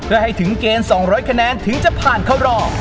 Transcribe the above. เพื่อให้ถึงเกณฑ์๒๐๐คะแนนถึงจะผ่านเข้ารอบ